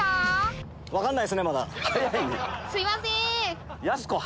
すいません。